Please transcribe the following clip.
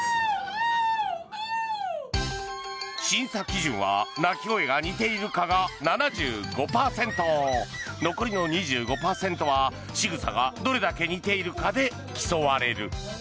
審査基準は鳴き声が似ているかが７５％残りの２５％は、しぐさがどれだけ似ているかで競われる。